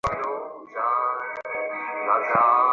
সে শূন্যের মধ্যে কিছু যেন একটা খুঁজিয়া বেড়াইতে লাগিল।